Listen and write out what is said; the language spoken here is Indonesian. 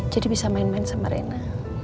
jadi bisa main main sama rena